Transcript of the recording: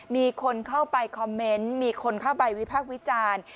มีคนเข้าไปคอมเมนต์มีคนเข้าไปวิพากษ์วิจารณ์